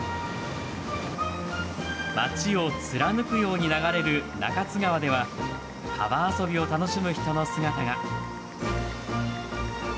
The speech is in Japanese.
町を貫くように流れる中津川では川遊びを楽しむ人の姿が。